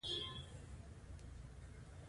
په دې علماوو کې سرسید احمد خان او مولوي چراغ علي وو.